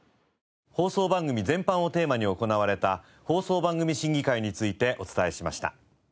放送番組全般をテーマに行われた放送番組審議会についてお伝えしました。